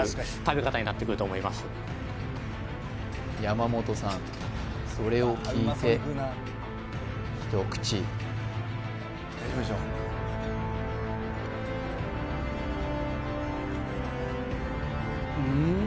山本さんそれを聞いて一口うん？